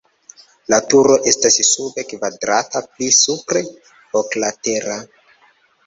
La turo estas sube kvadrata, pli supre oklatera.